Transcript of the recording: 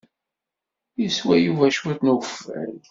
Yeswa Yuba cwiṭ n ukeffay.